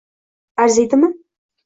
Arziydimi?